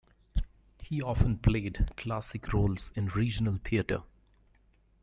He often played classic roles in regional theatre.